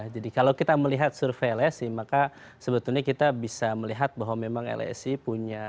jadi kalau kita melihat survei lsi maka sebetulnya kita bisa melihat bahwa memang lsi punya